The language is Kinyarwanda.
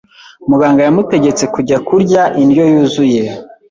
Muganga yamutegetse kujya kurya indyo yuzuye.